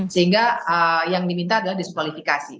sehingga yang diminta adalah diskualifikasi